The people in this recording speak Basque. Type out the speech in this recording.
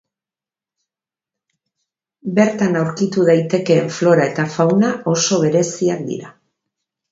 Bertan aurkitu daitekeen flora eta fauna oso bereziak dira.